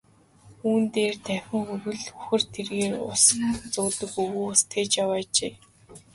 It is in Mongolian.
Түүн дээр давхин хүрвэл үхэр тэргээр ус зөөдөг өвгөн ус тээж яваа нь ажээ.